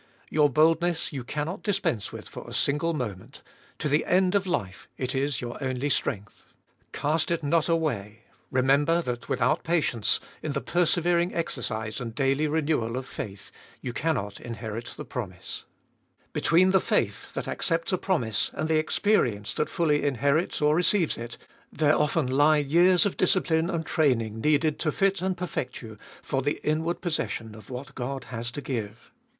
Your boldness you cannot dispense with for a single moment ; to the end of life it is your only strength. Cast it not away ; remember that without patience, in the persevering exercise and daily renewal of faith, you cannot inherit the promise. Between ttbe Dolfest of BU 415 the faith that accepts a promise, and the experience that fully inherits or receives it, there often lie years of discipline and training needed to fit and perfect you for the inward possession of what God has to give.